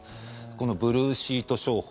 このブルーシート商法